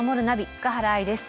塚原愛です。